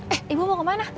eh ibu mau kemana